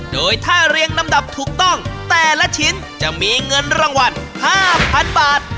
โดยถ้าเรียงลำดับถูกต้องแต่ละชิ้นจะมีเงินรางวัล๕๐๐๐บาท